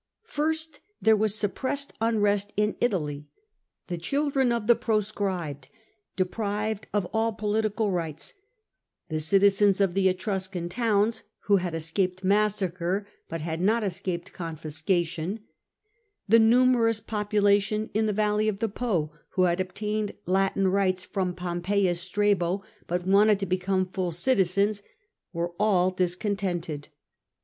First, there was suppressed unrest in Italy ; the children of the Proscribed, deprived of all political rights ; the citizens of the Etruscan towns, who had escaped massacre but had not escaped confisca tion ; the numerous population in the valley of the Po, who had obtained Latin rights from Pompeius Strabo, but wanted to become full citizens — were all discontented.